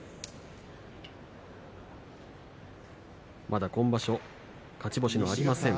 まだ今場所、勝ち星がありません